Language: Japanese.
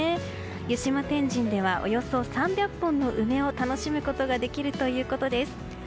湯島天神ではおよそ３００本の梅を楽しむことができるということです。